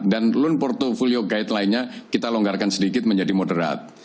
dan loan portfolio guideline nya kita longgarkan sedikit menjadi moderate